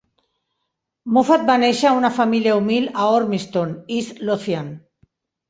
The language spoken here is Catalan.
Moffat va néixer a una família humil a Ormiston, East Lothian.